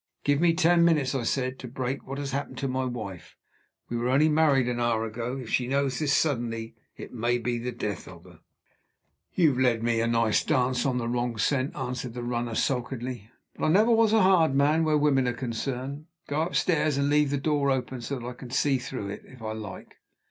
"Give me ten minutes," I said, "to break what has happened to my wife. We were only married an hour ago. If she knows this suddenly, it may be the death of her." "You've led me a nice dance on a wrong scent," answered the runner, sulkily. "But I never was a hard man where women are concerned. Go upstairs, and leave the door open, so that I can see in through it if I like.